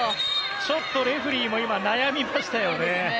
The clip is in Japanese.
ちょっとレフェリーも今、悩みましたよね。